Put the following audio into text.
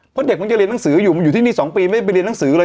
เพราะเด็กมันจะเรียนหนังสืออยู่มันอยู่ที่นี่๒ปีไม่ไปเรียนหนังสือเลย